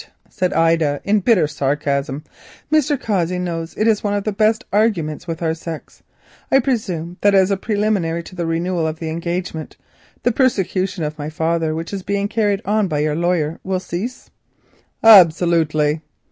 said Ida, in bitter sarcasm. "Mr. Cossey knows it is a good argument. I presume, Mr. Cossey, that as a preliminary to the renewal of our engagement, the persecution of my father which is being carried on by your lawyers will cease?" "Absolutely."